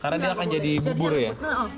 karena dia akan jadi bubur ya